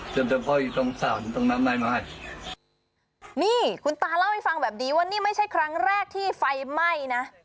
เฉพาะอยู่ตรงศาลตรงนั้นได้ไหมนี่คุณตาเล่าให้ฟังแบบนี้ว่านี่ไม่ใช่ครั้งแรกที่ไฟไหม้นะ